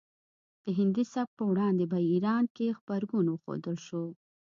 د هندي سبک په وړاندې په ایران کې غبرګون وښودل شو